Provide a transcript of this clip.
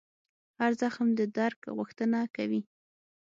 هر زخم د درک غوښتنه کوي.